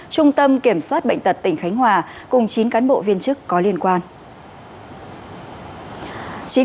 trung tâm kiểm soát bệnh tật tỉnh khánh hòa cùng chín cán bộ viên chức có liên quan